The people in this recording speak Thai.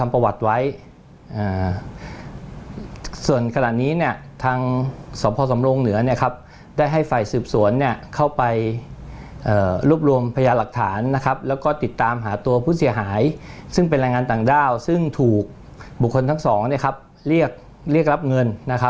พันธุหูตัวผู้เสียหายซึ่งเป็นรายงานต่างด้าวซึ่งถูกบุคคลทั้งสองเลี่ยรับเงิน